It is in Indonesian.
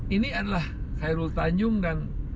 ini adalah khairul tanjung dan